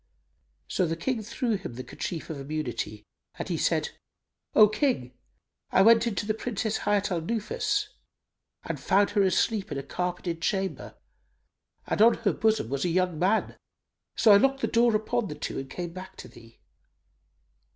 So the King threw him the kerchief of immunity and he said, "O King, I went into the Princess Hayat al Nufus and found her asleep in a carpeted chamber and on her bosom was a young man. So I locked the door upon the two and came back to thee."